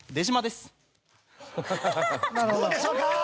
どうでしょうか？